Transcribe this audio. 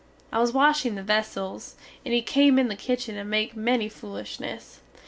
I was washing the vessels, and he come in the kitchen and make many foolishness.